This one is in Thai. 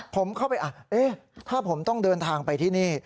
ผมเข้าไปถ้าผมต้องเดินทางไปที่นี่